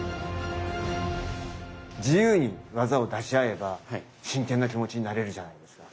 自由に技を出し合えば真剣な気持ちになれるじゃないですか。